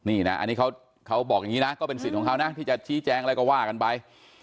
นี่นะอันนี้เขาบอกอย่างนี้นะก็เป็นสิทธิ์ของเขานะที่จะชี้แจงอะไรก็ว่ากันไป